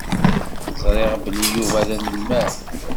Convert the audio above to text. Ẓriɣ belli Yuba d anelmad.